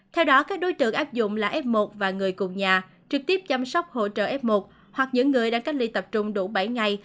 theo đó các đối tượng áp dụng là f một và người cùng nhà trực tiếp chăm sóc hỗ trợ f một hoặc những người đang cách ly tập trung đủ bảy ngày